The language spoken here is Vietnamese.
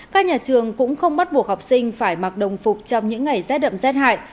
các nhà trường cũng không bắt buộc học sinh phải mặc đồng phục trong những ngày rét đậm rét hại